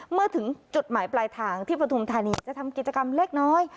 เมื่อถึงจุดหมายปลายทางที่ปฐุมธานีจะทำกิจกรรมเล็กน้อย